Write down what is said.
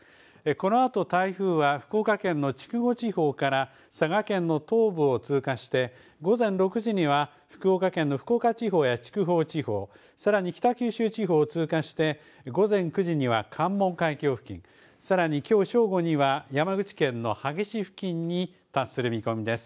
このあと、台風は福岡県の筑後地方から佐賀県の東部を通過して、午前６時には、福岡県の福岡地方や筑豊地方、北九州地方を通過して、午前９時には関門海峡付近、さらに、きょう正午には山口県の萩市付近に達する見込みです。